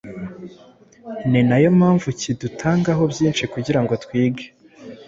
ni na yo mpamvu kidutangaho byinshi kugira ngo twige.